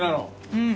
うん。